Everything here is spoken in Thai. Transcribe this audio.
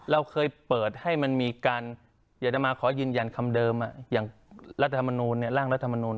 เราเคยเปิดให้มันมีการอยากจะมาขอยืนยันคำเดิมอย่างรัฐธรรมนูลร่างรัฐมนูล